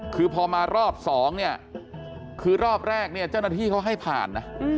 คือพอมารอบสองคือรอบแรกเจ้าหน้าที่เขาให้ผ่าน